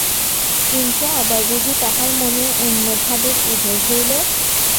কিন্তু আবার বুঝি তাঁহার মনে অন্য ভাবের উদয় হইল।